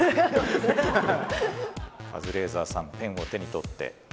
カズレーザーさんペンを手に取って。